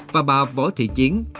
và bà võ thị chiến